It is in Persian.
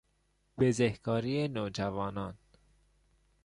بزهکاری نوجوانان